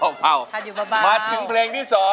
มาถึงเพลงที่๒